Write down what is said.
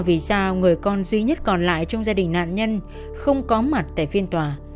vì sao người con duy nhất còn lại trong gia đình nạn nhân không có mặt tại phiên tòa